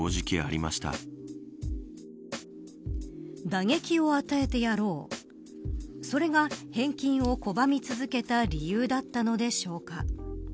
打撃を与えてやろうそれが返金を拒み続けた理由だったのでしょうか。